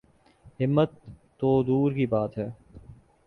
ہمت تو دور کی بات ہے۔